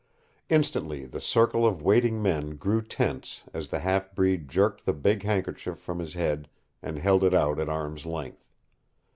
Instantly the circle of waiting men grew tense as the half breed jerked the big handkerchief from his head and held it out at arm's length.